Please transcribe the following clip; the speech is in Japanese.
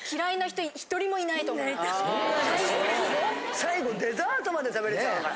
最後デザートまで食べれちゃうから。